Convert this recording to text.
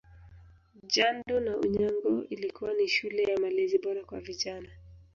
Jando na Unyago ilikuwa ni shule ya malezi bora kwa vijana